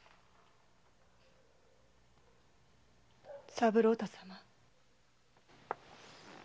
三郎太様。